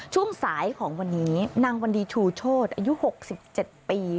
ช่วงสายของวันนี้นางวันดีชูโชธอายุ๖๗ปี